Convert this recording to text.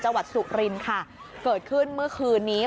จังหวัดสุรินค่ะเกิดขึ้นเมื่อคืนนี้